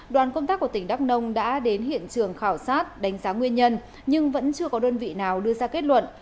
đoàn công tác của tỉnh đắk nông đã đến hiện trường khảo sát đánh giá nguyên nhân nhưng vẫn chưa có đơn vị nào đưa ra kết luận